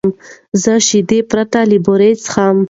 زه شیدې پرته له بوره څښم.